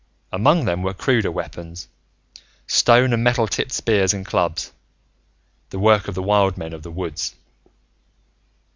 Among them were cruder weapons, stone and metal tipped spears and clubs, the work of the wild men of the woods.